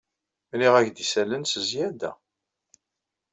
Mliɣ-ak-d isallen s zzyada.